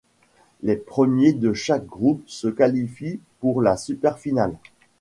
Les premiers de chaque groupe se qualifient pour la Super Finale.